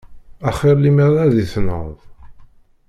A xir lemmer ad i-tenɣeḍ.